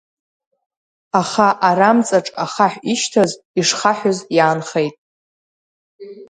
Аха арамҵаҿ ахаҳә ишьҭаз, ишхаҳәыз иаанхеит…